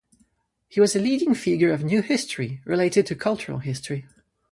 He was a leading figure of New History, related to cultural history.